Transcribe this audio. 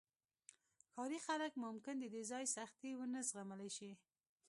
ښاري خلک ممکن د دې ځای سختۍ ونه زغملی شي